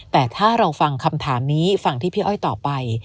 แต่ถ้าเราฟังคำถามนี้ฟังที่พี่อ้อยตอบไป